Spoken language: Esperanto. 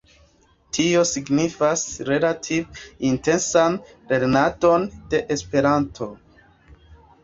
Tio signifas relative intensan lernadon de Esperanto.